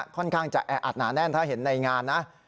ค่อนข้างจะแออัดหนาแน่นถ้าเห็นในงานนะ